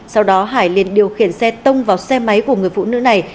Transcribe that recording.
sau đó hải liền điều khiển xe tông vào xe máy của người phụ nữ này